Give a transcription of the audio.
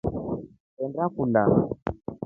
Honde kulya.